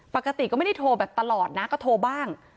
ปกติก็ไม่ได้โทรแบบตลอดนะก็โทรบ้าง